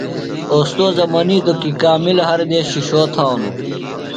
اوستوذہ منیتوۡ کی کامل ہر دیس شِشو تھانوۡ۔